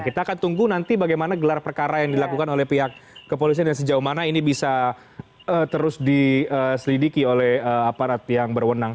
kita akan tunggu nanti bagaimana gelar perkara yang dilakukan oleh pihak kepolisian dan sejauh mana ini bisa terus diselidiki oleh aparat yang berwenang